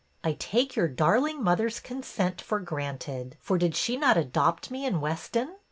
I take your darling mother's consent for granted, for did she not adopt me in Weston?